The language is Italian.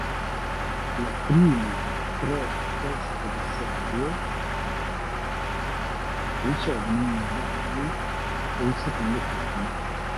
La prima tre teste di serie ricevono un bye per il secondo turno.